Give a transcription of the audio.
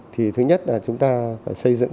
thì thứ nhất là chúng ta phải xây dựng